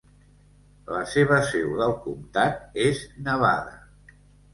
La seva seu del comtat és Nevada.